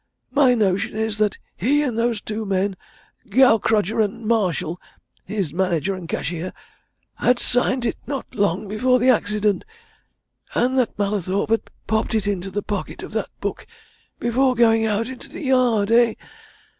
My notion is that he and those two men Gaukrodger and Marshall, his manager and cashier had signed it not long before the accident, and that Mallathorpe had popped it into the pocket of that book before going out into the yard. Eh?